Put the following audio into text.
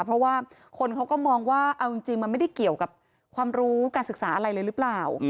เพราะว่าคนเขาก็มองว่าเอาจริงมันไม่ได้เกี่ยวกับความรู้การศึกษาอะไรเลยหรือเปล่า